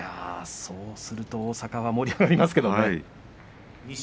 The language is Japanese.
そうすると大阪は盛り上がりますけどね。